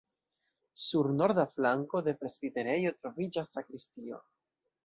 Sur norda flanko de presbiterejo troviĝas sakristio.